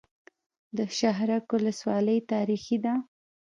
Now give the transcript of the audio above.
د شهرک ولسوالۍ تاریخي ده